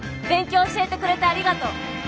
勉強教えてくれてありがとう！